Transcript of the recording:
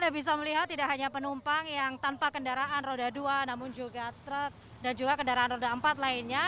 anda bisa melihat tidak hanya penumpang yang tanpa kendaraan roda dua namun juga truk dan juga kendaraan roda empat lainnya